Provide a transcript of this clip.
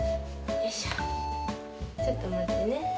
よいしょちょっとまってね。